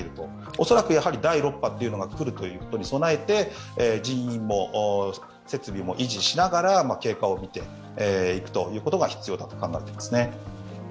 恐らく第６波が来るということに備えて人員も設備も維持しながら経過を見ていくということが必要だと考えていますね。